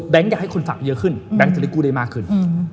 อยากให้คนฝากเยอะขึ้นแบงค์จะได้กู้ได้มากขึ้น